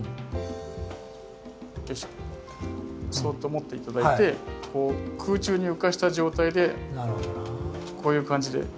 そっと持って頂いて空中に浮かした状態でこういう感じで。